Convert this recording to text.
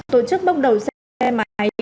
tổ chức bóc đầu xe máy